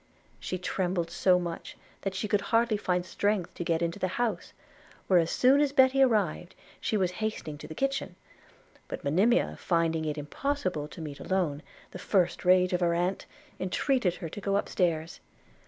She trembled so much, that she could hardly find strength to get into the house; where as soon as Betty arrived, she was hastening to the kitchen; but Monimia finding it impossible to meet, alone, the first rage of her aunt, entreated her to go up stairs.